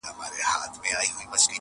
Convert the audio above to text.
را پوره مي د پېړیو د بابا دغه ارمان کې،